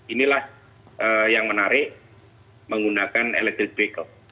inilah yang menarik menggunakan electric vehicle